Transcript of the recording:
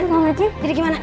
udah jadi gimana